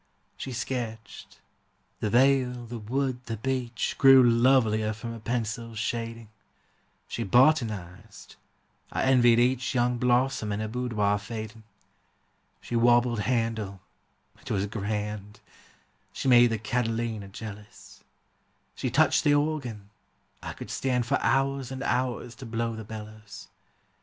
She sketched; the vale, the wood, the beach, Grew lovelier from her pencil's shading: She botanized; I envied each Young blossom in her boudoir fading: She warbled Handel; it was grand, She made the Catilina jealous: She touched the organ; I could stand For hours and hours to blow the bellows.